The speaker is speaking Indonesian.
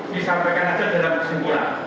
disampaikan saja dalam kesimpulan